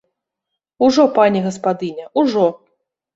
Ужо, пані гаспадыня, ужо!